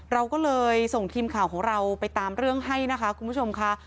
เราก็เลยส่งทีมข่าวของเราไปตามเรื่องให้นะคะคุณผู้ชมค่ะ